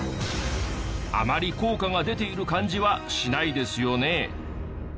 あまり効果が出ている感じはしないですよね。